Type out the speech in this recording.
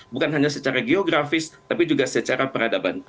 bukan hanya secara geografis tapi juga secara peradaban